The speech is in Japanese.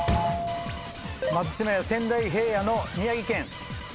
松島や仙台平野の宮城県。